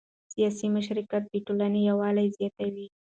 سیاسي مشارکت د ټولنې یووالی زیاتوي